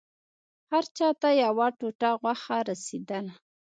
هر چا ته يوه ټوټه غوښه رسېدله.